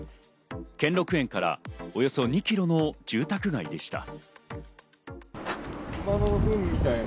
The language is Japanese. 兼六園からおよそ２キロの住宅街でした。